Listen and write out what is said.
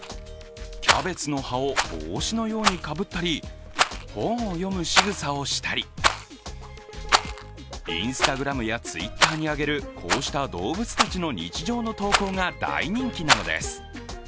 キャベツの葉を帽子のようにかぶったり、本を読むしぐさをしたり、ＩｎｓｔａｇｒａｍやＴｗｉｔｔｅｒに上げるこうした動物たちの日常の投稿が大人気なのです。